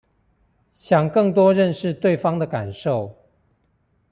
想更多認識對方的感受